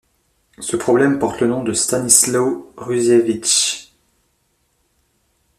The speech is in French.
Ce problème porte le nom de Stanisław Ruziewicz.